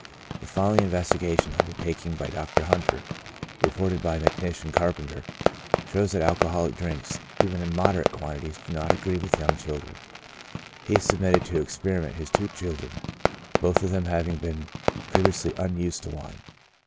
The following investigation, undertaken by Dr. Hunter, reported by Macnish and by Carpenter, shows that acoholic drinks, even in moderate quantities, do not agree with young children. He submitted to experiment his two chil dren, both of them having been previously unused to wine.